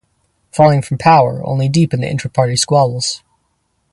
Falling from power only deepened the intra-party squabbles.